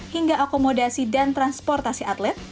hingga akomodasi dan transportasi atlet